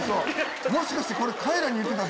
もしかしてこれ。